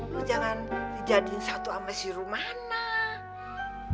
lu jangan dijadiin satu sama si rumana